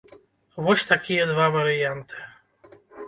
Вось такія два варыянты.